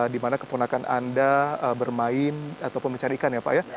dimana keponakan anda bermain ataupun mencari ikan ya pak ya